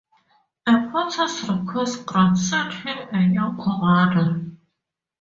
At Porter's request Grant sent him a new commander.